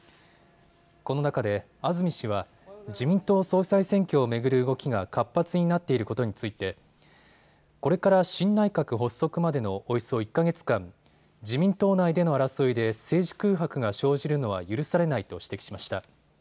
この中で安住氏は自民党総裁選挙を巡る動きが活発になっていることについてこれから新内閣発足までのおよそ１か月間、自民党内での争いで政治空白が生じるのは許されないと指摘しました。